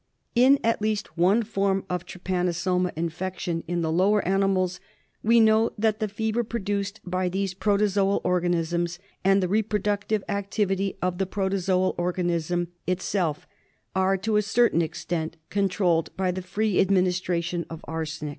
In at least one form of trypanosoma infection in the lower animals we know that the fever produced by these protozoal organisms, and the reproductive activity of the protozoal organism itself are to a certain extent controlled by the free administration of arsenic.